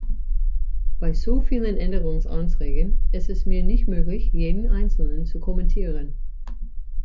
Bei so vielen Änderungsanträgen ist es mir nicht möglich, jeden einzelnen zu kommentieren.